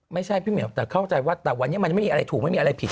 ไม่ใช่พี่เหี่ยวแต่เข้าใจว่าแต่วันนี้มันยังไม่มีอะไรถูกไม่มีอะไรผิด